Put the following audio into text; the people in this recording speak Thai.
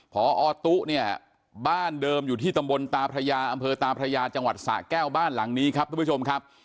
พอตุ๊เนี่ยบ้านเดิมอยู่ที่ตำบลตาพระยาอำเภอตาพระยาจังหวัดสะแก้วบ้านหลังนี้ครับทุกผู้ชมครับ